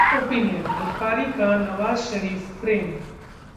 Opinion: Bukhari का नवाज शरीफ प्रेम